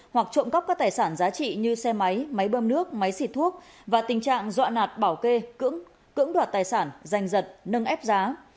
hoặc trộm cắp các tài sản giá trị như xe máy máy bơm nước máy xịt thuốc và tình trạng dọa nạt bảo kê cưỡng đoạt tài sản danh giật nâng ép giá